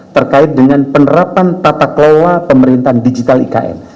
terkait dengan penerapan tata kelola pemerintahan digital ikn